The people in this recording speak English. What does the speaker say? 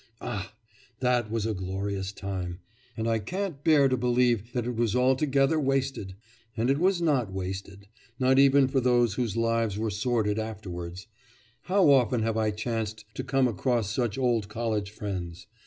Ah! that was a glorious time, and I can't bear to believe that it was altogether wasted! And it was not wasted not even for those whose lives were sordid afterwards. How often have I chanced to come across such old college friends!